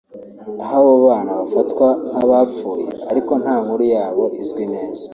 aho abo bana bafatwa nk’abapfuye ariko nta nkuru yabo izwi neza